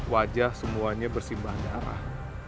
wajah semuanya bersibah darah